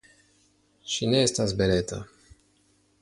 Ŝi ne estas beleta.